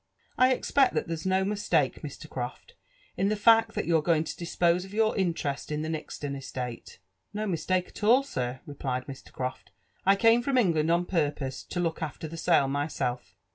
'* I expect (ha( there's no mis(ake, Mr. Crofi, in (he fact that you're going to dispose of your interest in the Nixton es(ate ?"*' No mis(ake atall, sir," replied Mr. Croft :*' 1 came from England on purpose (o look after the sale myself."